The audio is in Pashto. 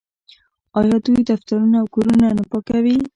آیا دوی دفترونه او کورونه نه پاکوي؟